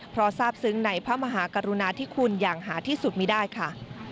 เพราะทราบซึ้งในพระมหากรุณาธิคุณอย่างหาที่สุดมีได้ค่ะ